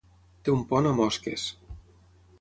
Té un pont amb osques.